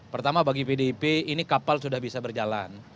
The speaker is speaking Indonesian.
pertama bagi pdip ini kapal sudah bisa berjalan